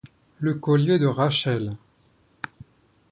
Le collier de Rachel!